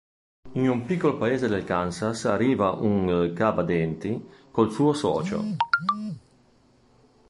In un piccolo paese del Kansas arriva un “Cava denti” col suo socio.